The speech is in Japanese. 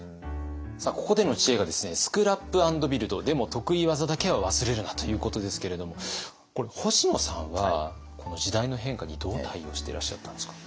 ここでの知恵が「スクラップ＆ビルドでも得意技だけは忘れるな！」ということですけれどもこれ星野さんはこの時代の変化にどう対応していらっしゃったんですか？